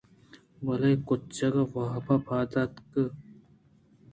بلے کُچکّ واب ءَ پاد اتک